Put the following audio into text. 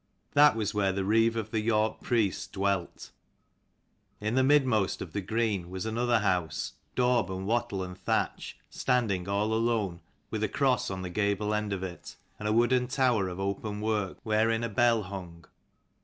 That was where the Reeve of the York priests dwelt. In the midmost of the green was another house, daub and wattle and thatch, standing all alone, with a cross on the gable end of it, and a wooden tower of open work wherein a bell hung.